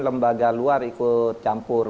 lembaga luar ikut campur